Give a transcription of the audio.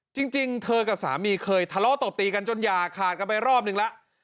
จริงเธอกับสามีเคยทะเลาะตบตีกันจนอย่าขาดกันไปรอบนึงแล้ว